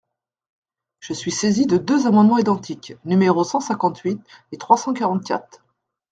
Je suis saisi de deux amendements identiques, numéros cent cinquante-huit et trois cent quarante-quatre.